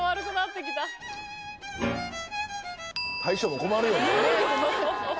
大将も困るよね。